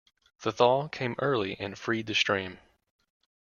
The thaw came early and freed the stream.